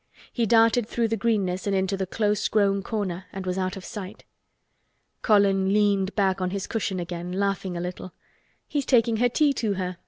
He darted through the greenness and into the close grown corner and was out of sight. Colin leaned back on his cushion again, laughing a little. "He's taking her tea to her.